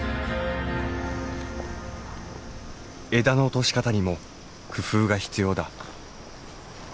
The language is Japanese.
枝の落とし方にも工夫が必要だ。